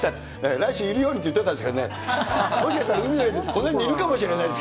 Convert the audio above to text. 来週いるようにって言っといたんですけどね、もしかしたら海の家のこの辺にいるかもしれない。